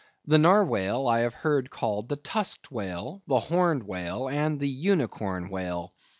The Narwhale I have heard called the Tusked whale, the Horned whale, and the Unicorn whale.